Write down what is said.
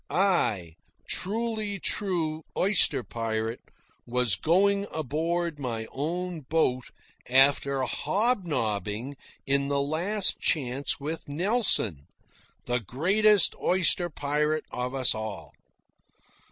I, a truly true oyster pirate, was going aboard my own boat after hob nobbing in the Last Chance with Nelson, the greatest oyster pirate of us all.